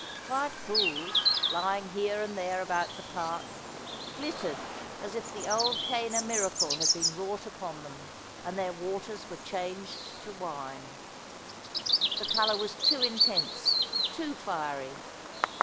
Quiet pools, lying here and there about the park, glittered as if the old Cana miracle had been wrought upon them, and their waters were changed to wine. The colour was too intense, too fiery.